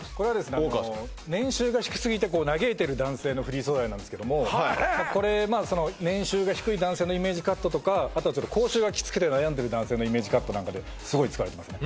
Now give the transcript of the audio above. あの年収が低すぎて嘆いてる男性のフリー素材なんですけどもこれまあその年収が低い男性のイメージカットとかあとは口臭がきつくて悩んでる男性のイメージカットなんかですごい使われてますね